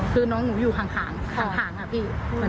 คือน้องหนูอยู่ฐังฐังฐานอะพี่